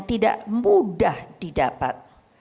tidak mudah didapat